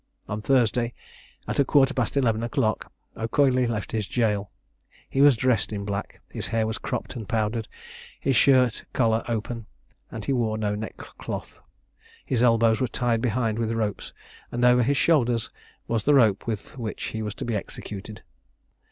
On Thursday, at a quarter past eleven o'clock, O'Coigley left the jail. He was dressed in black; his hair was cropped and powdered, his shirt collar open, and he wore no neckcloth. His elbows were tied behind with ropes, and over his shoulders was the rope with which he was to be executed.